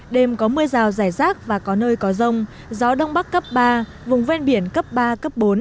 đêm có mưa rào rải rác và có nơi có rông gió đông bắc cấp ba vùng ven biển cấp ba cấp bốn